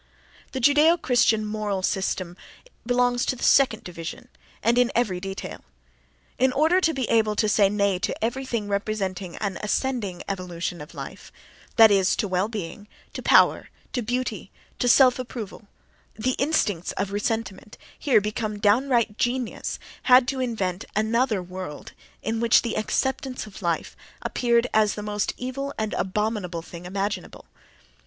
The Judaeo Christian moral system belongs to the second division, and in every detail. In order to be able to say Nay to everything representing an ascending evolution of life—that is, to well being, to power, to beauty, to self approval—the instincts of ressentiment, here become downright genius, had to invent an other world in which the acceptance of life appeared as the most evil and abominable thing imaginable.